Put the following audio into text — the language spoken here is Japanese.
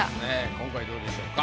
今回どうでしょうか？